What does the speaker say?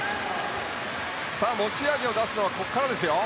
持ち味を出すのはここからですよ。